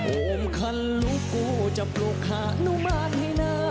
โอมคันลูกกูจะปลูกหานุมานให้นะ